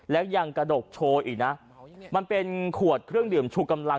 แล้วยังกระดกโชว์อีกนะมันเป็นขวดเครื่องดื่มชูกำลัง